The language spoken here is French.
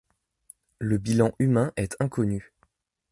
Le bilan humain est inconnu.